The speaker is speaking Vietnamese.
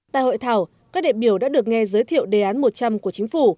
tại hội thảo các đệ biểu đã được nghe giới thiệu đề án một trăm linh của chính phủ